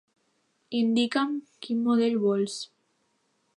Indica'm quin model vols.